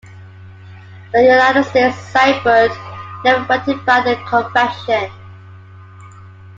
The United States signed but never ratified the Convention.